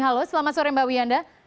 halo selamat sore mbak wiyanda